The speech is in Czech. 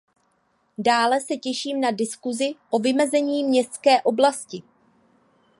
Dále se těším na diskusi o vymezení městské oblasti.